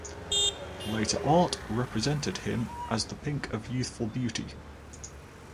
Later art represented him as the pink of youthful beauty.